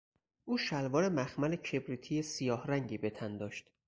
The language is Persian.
او شلوار مخمل کبریتی سیاهرنگی به تن داشت.